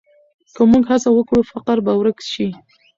که موږ هڅه وکړو، فقر به ورک شي.